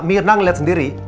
mirna ngeliat sendiri